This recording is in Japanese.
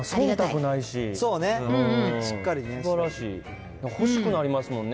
なんか欲しくなりますもんね。